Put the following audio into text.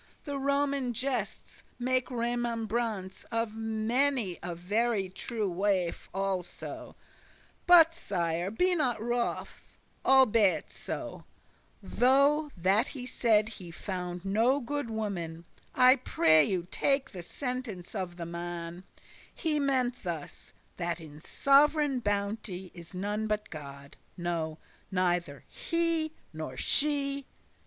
The Roman gestes <29> make remembrance Of many a very true wife also. But, Sire, be not wroth, albeit so, Though that he said he found no good woman, I pray you take the sentence* of the man: *opinion, real meaning He meant thus, that in *sovereign bounte* *perfect goodness Is none but God, no, neither *he nor she.